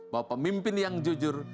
bahwa pemimpin yang jujur